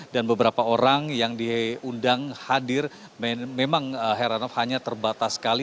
dan beberapa orang yang diundang hadir memang herano hanya terbatas sekali